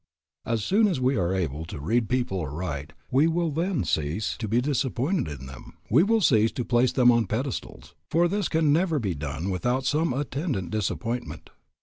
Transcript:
As soon as we are able to read people aright we will then cease to be disappointed in them, we will cease to place them on pedestals, for this can never be done without some attendant disappointment.